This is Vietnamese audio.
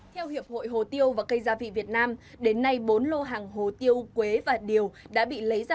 theo hiệp hội hồ tiêu và cây gia vị việt nam đến nay bốn lô hàng hồ tiêu quế và điều đã bị lấy ra